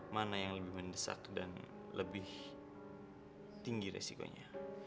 mana yang lebih mendesak dan lebih tinggi resikonya